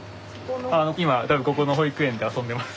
今ここの保育園で遊んでます。